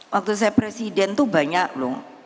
waktu saya presiden tuh banyak loh